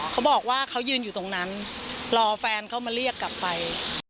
เขาบอกว่าเขายืนอยู่ตรงนั้นรอแฟนเขามาเรียกกลับไป